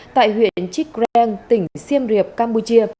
tại huyện chitreng tỉnh siêm riệp campuchia